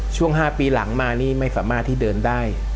ช่วง๕ปีหลังมานี่ไม่สามารถที่เดินได้